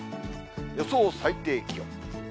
予想最低気温。